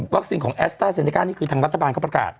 ของแอสต้าเซเนก้านี่คือทางรัฐบาลเขาประกาศ